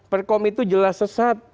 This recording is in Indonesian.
perkom itu jelas sesat